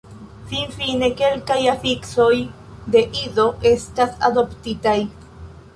Finfine kelkaj afiksoj de Ido estas adoptitaj.